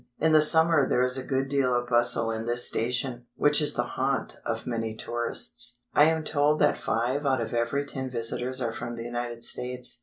In the summer there is a good deal of bustle in this station, which is the haunt of many tourists. I am told that five out of every ten visitors are from the United States.